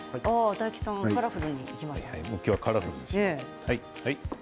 大吉さんカラフルにいきましたね。